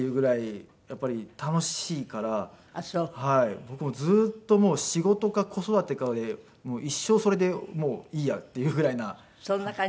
僕もずっともう仕事か子育てかで一生それでもういいやっていうぐらいな。